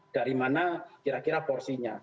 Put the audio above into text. dari mana kira kira porsinya